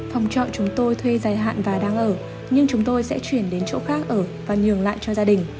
phòng trọ chúng tôi thuê dài hạn và đang ở nhưng chúng tôi sẽ chuyển đến chỗ khác ở và nhường lại cho gia đình